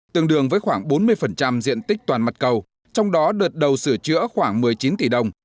tương đương với khoảng bốn mươi diện tích toàn mặt cầu trong đó đợt đầu sửa chữa khoảng một mươi chín tỷ đồng